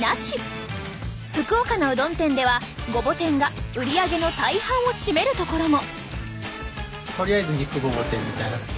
福岡のうどん店ではごぼ天が売り上げの大半を占めるところも！